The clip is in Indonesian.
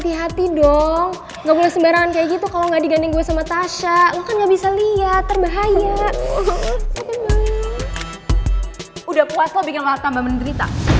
tidak jangan biarin gue berdiri